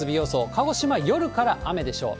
鹿児島、夜から雨でしょう。